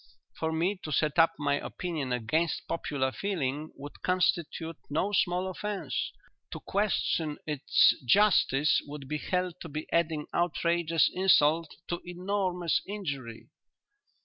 For me to set up my opinion against popular feeling would constitute no small offence; to question its justice would be held to be adding outrageous insult to enormous injury."